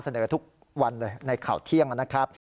เสนอทุกวันเลยในข่าวเที่ยงนะครับ